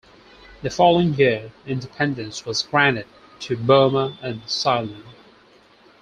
The following year independence was granted to Burma and Ceylon.